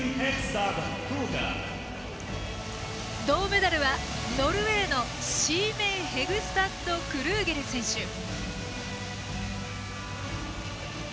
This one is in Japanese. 銅メダルはノルウェーのシーメンヘグスタッド・クルーゲル選手。